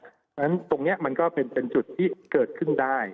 เพราะฉะนั้นตรงนี้มันก็เป็นจุดที่เกิดขึ้นได้